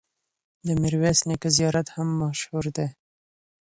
د میرویس نیکه زیارت هم مشهور دی.